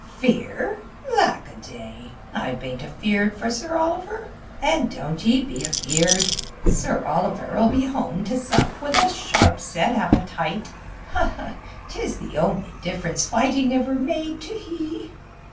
"Fear? Lackaday! I bain't afeeard for Sir Oliver, and doan't ee be afeeard. Sir Oliver'll be home to sup with a sharp set appetite—'tis the only difference fighting ever made to he."